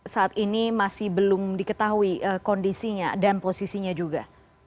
saat ini masih belum diketahui kondisinya dan posisinya juga